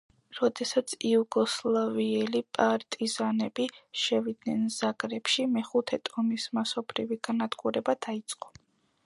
როდესაც იუგოსლავიელი პარტიზანები შევიდნენ ზაგრებში, მეხუთე ტომის მასობრივი განადგურება დაიწყო.